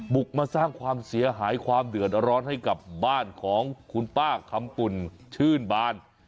มาสร้างความเสียหายความเดือดร้อนให้กับบ้านของคุณป้าคำปุ่นชื่นบาน